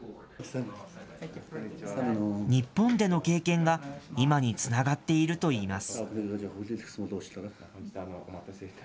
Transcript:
日本での経験が、今につながっているといいます。